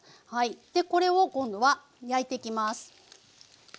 これを今度は焼いていきます。